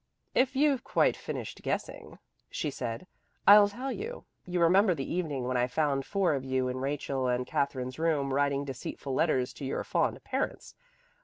"If you've quite finished guessing," she said, "I'll tell you. You remember the evening when I found four of you in Rachel and Katherine's room writing deceitful letters to your fond parents.